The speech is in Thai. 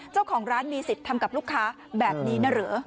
เจ้าของร้านมีสิทธิ์ทำกับลูกค้าแบบนี้นะเหรอ